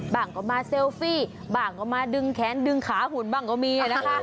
ก็มาเซลฟี่บ้างก็มาดึงแขนดึงขาหุ่นบ้างก็มีนะคะ